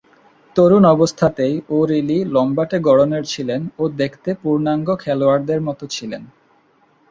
তরুণ অবস্থাতেই ও’রিলি লম্বাটে গড়নের ছিলেন ও দেখতে পূর্ণাঙ্গ খেলোয়াড়দের মতো ছিলেন।